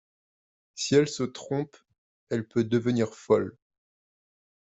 Si elle se trompe, elle peut devenir folle.